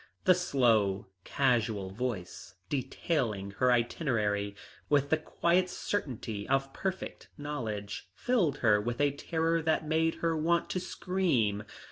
The slow, casual voice detailing her itinerary with the quiet certainty of perfect knowledge filled her with a terror that made her want to scream.